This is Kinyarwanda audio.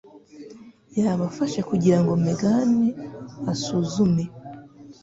Yabafashe kugira ngo Megan asuzume.